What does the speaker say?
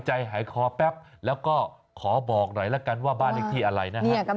ใจหายคอแป๊บแล้วก็ขอบอกหน่อยละกันว่าบ้านเลขที่อะไรนะฮะ